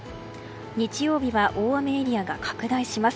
日曜日は大雨エリアが拡大します。